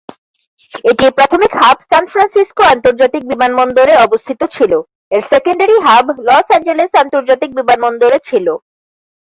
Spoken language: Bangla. এটির প্রাথমিক হাব সান ফ্রান্সিসকো আন্তর্জাতিক বিমানবন্দরে অবস্থিত ছিল, এর সেকেন্ডারি হাব লস অ্যাঞ্জেলেস আন্তর্জাতিক বিমানবন্দরে ছিল।